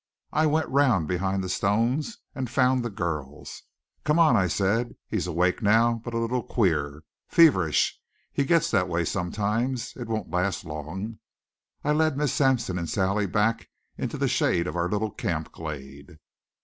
I went round behind the stones and found the girls. "Come on," I said. "He's awake now, but a little queer. Feverish. He gets that way sometimes. It won't last long." I led Miss Sampson and Sally back into the shade of our little camp glade.